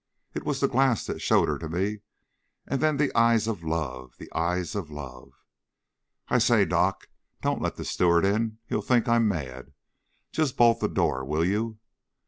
It was the glass that showed her to me, and then the eyes of love the eyes of love. "I say, Doc, don't let the steward in! He'll think I'm mad. Just bolt the door, will you!"